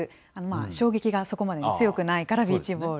衝撃がそこまで強くないからビーチボール。